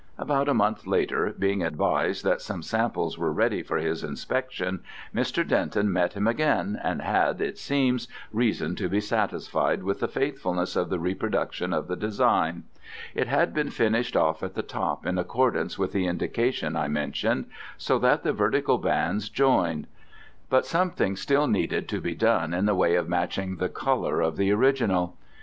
About a month later, being advised that some samples were ready for his inspection, Mr. Denton met him again, and had, it seems, reason to be satisfied with the faithfulness of the reproduction of the design. It had been finished off at the top in accordance with the indication I mentioned, so that the vertical bands joined. But something still needed to be done in the way of matching the colour of the original.